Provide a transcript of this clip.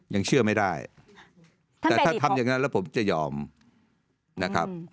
ยังเชื่อไม่ได้แต่ถ้าทำอย่างนั้นแล้วผมจะยอมนะครับ